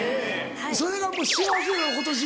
それがもう幸せなの今年。